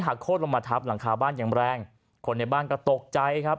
โคตรลงมาทับหลังคาบ้านอย่างแรงคนในบ้านก็ตกใจครับ